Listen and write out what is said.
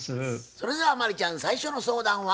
それでは真理ちゃん最初の相談は？